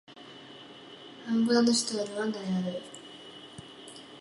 アンゴラの首都はルアンダである